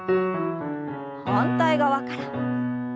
反対側から。